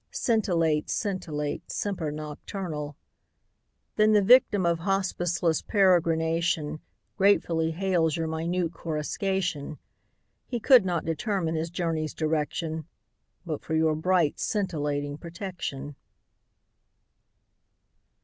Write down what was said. Scintillate, scintillate, semper nocturnal. Saintc Margirie 4T7 Then the yictiin of hospiceless peregrination Gratefully hails your minute coruscation. He could not determine his journey's direction But for your bright scintillating protection.